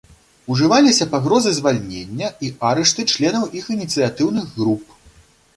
Ужываліся пагрозы звальнення і арышты членаў іх ініцыятыўных груп.